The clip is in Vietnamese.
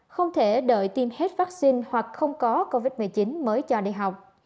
không thể đợi tiêm hết vaccine hoặc không có covid một mươi chín mới cho đi học